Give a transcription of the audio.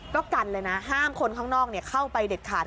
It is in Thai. ก็กันเลยนะห้ามคนข้างนอกเข้าไปเด็ดขาด